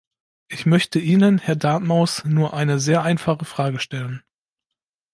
Ich möchte Ihnen, Herr Dartmouth, nur eine sehr einfache Frage stellen.